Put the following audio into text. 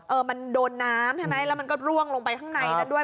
เออมันโดนน้ำใช่ไหมแล้วมันก็ร่วงลงไปข้างในนั้นด้วย